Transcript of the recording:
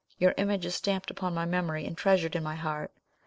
your image is stamped upon my memory, and treasured in my heart.